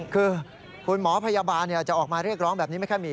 คือคุณหมอพยาบาลจะออกมาเรียกร้องแบบนี้ไม่ค่อยมี